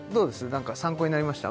なんか参考になりました？